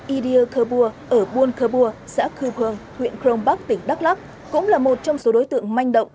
idia khabour ở buôn khabour xã khư phường huyện khrong bắc tỉnh đắk lắk cũng là một trong số đối tượng manh động